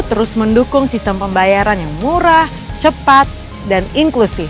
terus mendukung sistem pembayaran yang murah cepat dan inklusif